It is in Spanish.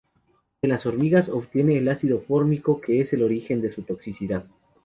De las hormigas obtiene el ácido fórmico, que es el origen de su toxicidad.